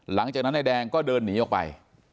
หลังจากนั้นนายแดงก็เดินหนีออกไป